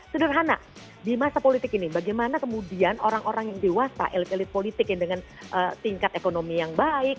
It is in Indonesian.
sederhana di masa politik ini bagaimana kemudian orang orang yang dewasa elit elit politik yang dengan tingkat ekonomi yang baik